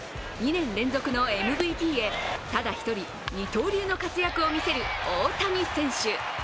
２年連続のＭＶＰへ、ただ１人、二刀流の活躍を見せる大谷選手。